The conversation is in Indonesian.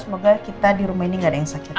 semoga kita di rumah ini gak ada yang sakit